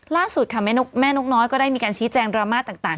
ล่าสุดค่ะแม่นกน้อยก็ได้มีการชี้แจงดราม่าต่าง